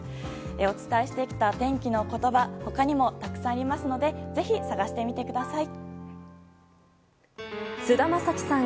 お伝えしてきた天気のことば他にもたくさんありますのでぜひ探してみてください。